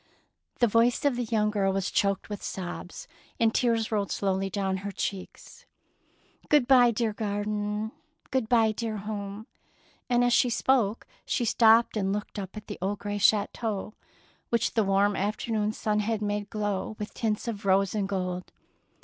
The voice of the young girl was choked with sobs, and tears rolled slowly down her cheeks. " Good bye, dear garden; good bye, dear home "; and as she spoke she stopped and looked up at the old grey chateau which the warm afternoon sun had made glow with tints of rose and gold.